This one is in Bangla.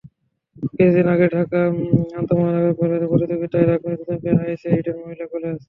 কিছুদিন আগেই ঢাকা আন্তমহানগর কলেজ প্রতিযোগিতায় রাগবিতে চ্যাম্পিয়ন হয়েছে ইডেন মহিলা কলেজ।